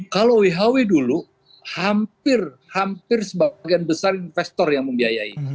kalau who dulu hampir hampir sebagian besar investor yang membiayai